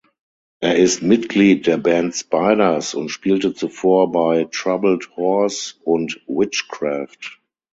Er ist Mitglied der Band Spiders und spielte zuvor bei Troubled Horse und Witchcraft.